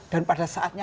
dan pada saatnya